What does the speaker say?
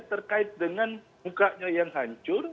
terkait dengan mukanya yang hancur